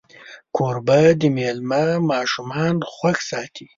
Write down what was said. کوربه د میلمه ماشومان خوښ ساتي.